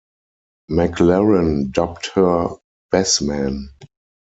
McLaren dubbed her 'Bess Man'.